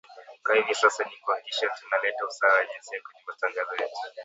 kwa hivi sasa ni kuhakikisha tuna leta usawa wa jinsia kwenye matangazo yetu